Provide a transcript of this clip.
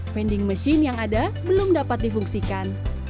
vending machine yang ada belum dapat difungsikan